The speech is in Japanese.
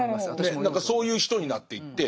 そういう人になっていって。